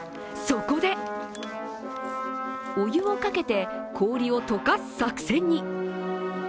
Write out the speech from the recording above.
そこで、お湯をかけて氷をとかす作戦に。